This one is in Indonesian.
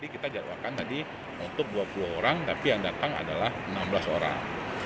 kita jadwalkan tadi nutup dua puluh orang tapi yang datang adalah enam belas orang